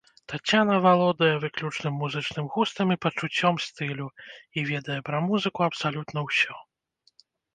Таццяна валодае выключным музычным густам і пачуццём стылю, і ведае пра музыку абсалютна ўсё.